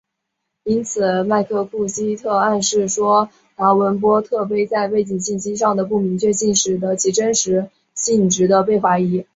因此麦克库西克暗示说达文波特碑在背景信息上的不明确性使得其真实性值得被怀疑。